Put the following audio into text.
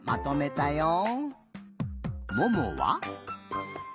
ももは？